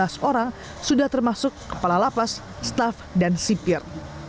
hanya dua belas orang sudah termasuk kepala lapas staf dan sipir